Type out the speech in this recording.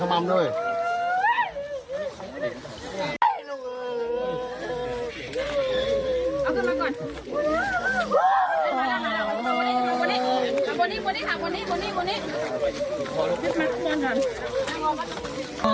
เข้ามามาบนนี้ข้างบนนี้ค่ะ